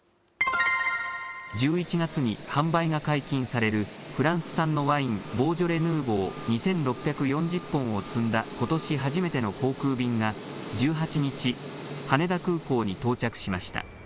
１１月に販売が解禁されるフランス産のワイン、ボージョレ・ヌーボー、２６４０本を積んだことし初めての航空便が１８日、羽田空港に到着しました。